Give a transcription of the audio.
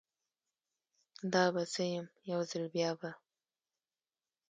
دا به زه یم، یوځل بیا به